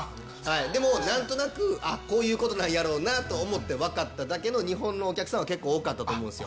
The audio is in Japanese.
でも何となくこういうことなんやろうなと思って分かっただけの日本のお客さんは結構多かったと思うんですよ。